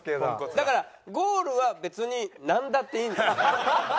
だからゴールは別になんだっていい。